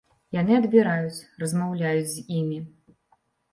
Яны адбіраюць, размаўляюць з імі.